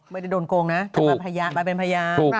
ไม่ได้โดนโกงนะแต่มาเป็นพยาน